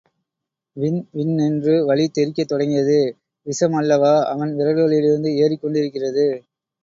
விண் விண் ணென்று வலி தெறிக்கத் தொடங்கியது, விஷம் அல்லவா அவன் விரல்களிலிருந்து ஏறிக் கொண்டிருக்கிறது.